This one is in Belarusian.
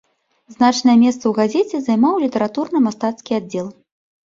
Значнае месца ў газеце займаў літаратурна-мастацкі аддзел.